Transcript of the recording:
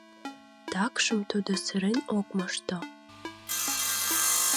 Такшым тудо сырен ок мошто.